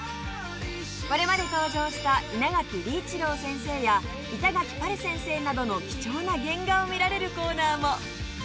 これまで登場した稲垣理一郎先生や板垣巴留先生などの貴重な原画を見られるコーナーも。